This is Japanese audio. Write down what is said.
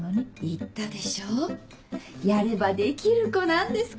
言ったでしょやればできる子なんです